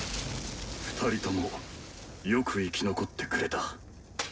２人ともよく生き残ってくれた。